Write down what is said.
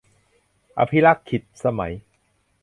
อภิลักขิตสมัย